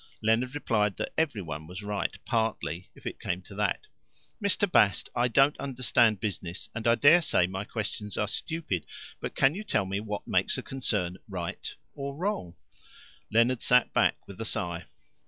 Leonard replied that every one was right partly, if it came to that. "Mr. Bast, I don't understand business, and I dare say my questions are stupid, but can you tell me what makes a concern 'right' or 'wrong'?" Leonard sat back with a sigh.